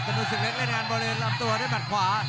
ดูศึกเล็กเล่นงานบริเวณลำตัวด้วยหมัดขวา